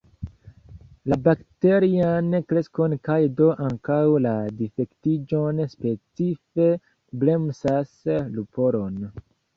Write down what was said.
La bakterian kreskon kaj do ankaŭ la difektiĝon specife bremsas lupolon.